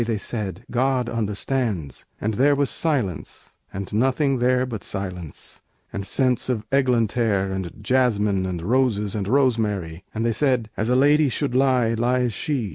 they said, "God understands." And there was silence, and nothing there But silence, and scents of eglantere, And jasmine, and roses and rosemary; And they said, "As a lady should lie, lies she."